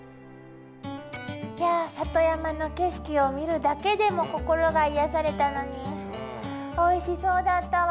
いやあ里山の景色を見るだけでも心が癒やされたのにおいしそうだったわ。